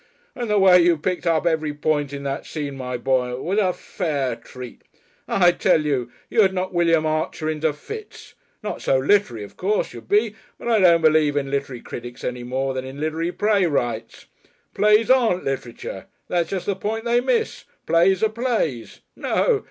And the way you picked up every point in that scene, my boy, was a Fair Treat! I tell you, you'd knock William Archer into fits. Not so literary, of course, you'd be, but I don't believe in literary critics any more than in literary playwrights. Plays aren't literature that's just the point they miss. Plays are plays. No!